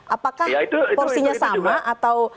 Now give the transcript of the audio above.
apakah porsinya sama atau